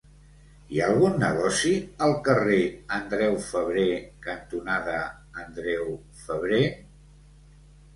Hi ha algun negoci al carrer Andreu Febrer cantonada Andreu Febrer?